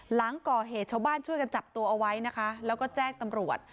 หลังก่อเหตุชาวบ้านช่วยกันจับตัวเอาไว้นะคะแล้วก็แจ้งตำรวจ